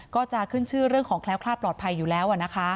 ก็จะขึ้นชื่อเรื่องของแคล้วคลาดปลอดภัยอยู่แล้ว